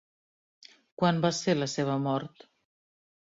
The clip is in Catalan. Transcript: Quan va ser la seva mort?